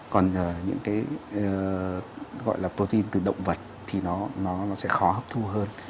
còn những cái gọi là protein từ động vật thì nó sẽ khó hấp thu hơn